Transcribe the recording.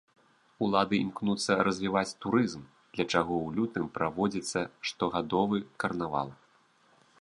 Улады імкнуцца развіваць турызм, для чаго ў лютым праводзіцца штогадовы карнавал.